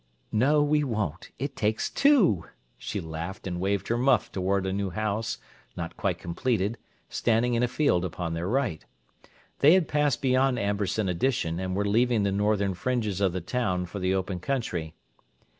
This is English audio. "No, we won't; it takes two!" She laughed and waved her muff toward a new house, not quite completed, standing in a field upon their right. They had passed beyond Amberson Addition, and were leaving the northern fringes of the town for the open country.